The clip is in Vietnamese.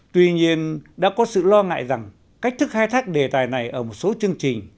tuy nhiên đã có sự lo ngại rằng cách thức khai thác đề tài này ở một số chương trình